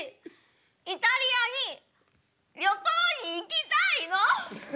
イタリアに旅行に行きたいの！